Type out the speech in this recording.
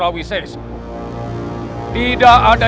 walaupun putraku kjiansanta